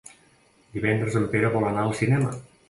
Divendres en Pere vol anar al cinema.